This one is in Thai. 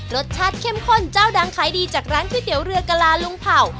รสชาติเข้มข้นเจ้าดังขายดีจากร้านก๋วยเตี๋ยวเรือกะลาลุงเผ่า